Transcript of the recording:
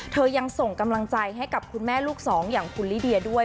ยังส่งกำลังใจให้กับคุณแม่ลูกสองอย่างคุณลิเดียด้วย